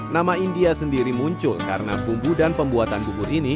nama india sendiri muncul karena bumbu dan pembuatan bubur ini